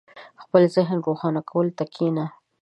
• د خپل ذهن د روښانه کولو ته کښېنه.